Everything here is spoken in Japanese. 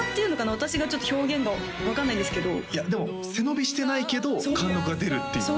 私がちょっと表現が分かんないんですけどいやでも背伸びしてないけど貫禄が出るっていうね